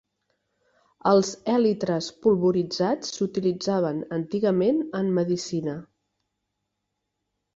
Els èlitres polvoritzats s'utilitzaven antigament en medicina.